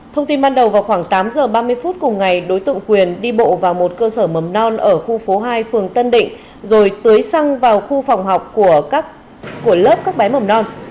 thông tin ban đầu vào khoảng tám h ba mươi phút cùng ngày đối tượng quyền đi bộ vào một cơ sở mầm non ở khu phố hai phường tân định rồi tưới xăng vào khu phòng học của lớp các bé mầm non